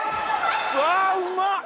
わうまっ！